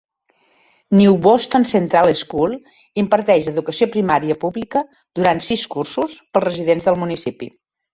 New Boston Central School imparteix educació primària pública durant sis cursos pels residents del municipi.